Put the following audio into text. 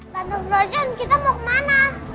tante flosian kita mau kemana